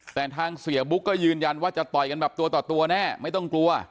แต่ทางเสียบุ๊กก็ยืนยันว่าจะต่อยกันแบบตัวต่อตัวแน่ไม่ต้องกลัว